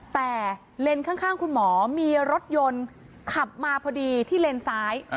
แต่เลนส์ข้างคุณหมอมีรถยนต์ขับมาพอดีที่เลนซ้าย